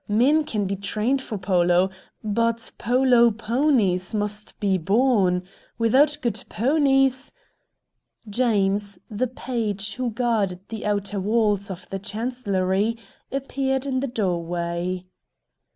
Men can be trained for polo. But polo ponies must be born. Without good ponies " James, the page who guarded the outer walls, of the chancellery, appeared in the doorway.